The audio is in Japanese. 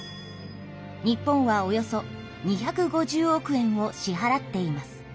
日本はおよそ２５０億円を支はらっています。